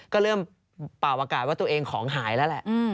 ก็เริ่มเป่าอากาศว่าตัวเองของหายแล้วแหละ